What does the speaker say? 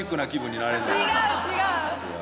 違う違う。